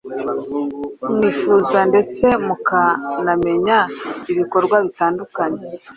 mwifuza ndetse mukanamenya ibikorwa bitandukanye